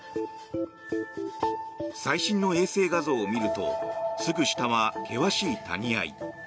最新の衛星画像を見るとすぐ下は険しい谷あい。